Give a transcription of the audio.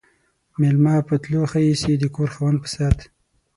ميلمه په تلو ښه ايسي ، د کور خاوند په ست.